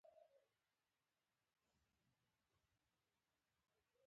درناوی د نړۍ د پرمختګ لپاره اړین دی.